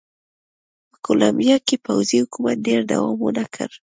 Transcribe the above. په کولمبیا کې پوځي حکومت ډېر دوام ونه کړ.